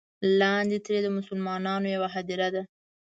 لاندې ترې د مسلمانانو یوه هدیره ده.